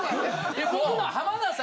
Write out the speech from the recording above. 僕も浜田さん